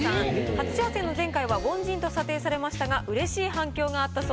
初挑戦の前回は凡人と査定されましたが嬉しい反響があったそうです。